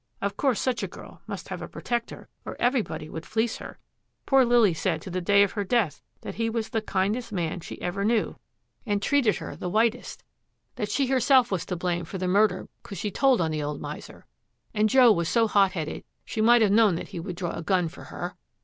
Of course such a girl must have a protector or everybody would fleece her; poor Lily said to the day of her death that he was the kindest man she ever knew, and treated her the whitest; that she herself was to blame for the murder because she told on the old miser, and Joe was so hot headed she might have known that he would draw a gun for her.'